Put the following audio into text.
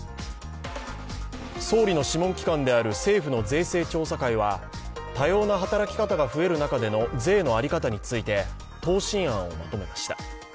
総理の諮問機関である政府の税制調査会は、多様な働き方が増える中での税の在り方について、答申案をまとめました。